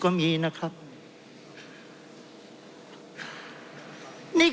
เพราะเรามี๕ชั่วโมงครับท่านนึง